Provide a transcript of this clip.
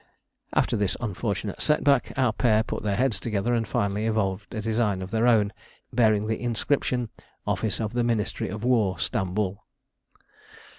After this unfortunate set back, our pair put their heads together, and finally evolved a design of their own, bearing the inscription: "Office of the Ministry of War, Stamboul."